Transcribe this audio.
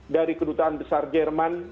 dari kedutaan besar jerman